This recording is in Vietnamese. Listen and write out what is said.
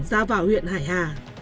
ra vào huyện hải hà